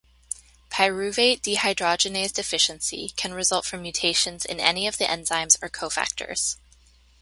Pyruvate dehydrogenase deficiency can result from mutations in any of the enzymes or cofactors.